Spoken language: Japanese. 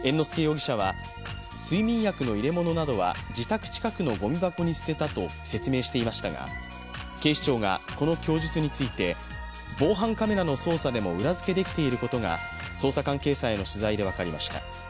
睡眠薬の入れ物などは自宅近くのごみ箱に捨てたと説明していましたが、警視庁がこの供述について防犯カメラの捜査でも裏付けできていることが、捜査関係者への取材で分かりました。